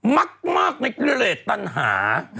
มักในเกล็ดตันหา